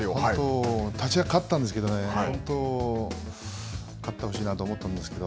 立ち合い、勝ったんですけどね、本当、勝ってほしいと思ったんですけど。